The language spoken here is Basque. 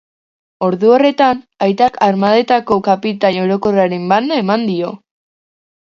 Ordu horretan, aitak armadetako kapitain orokorraren banda eman dio.